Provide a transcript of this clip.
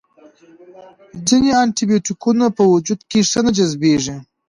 ځینې انټي بیوټیکونه په وجود کې ښه نه جذبیږي.